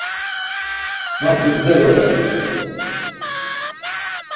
Ma gundze vore.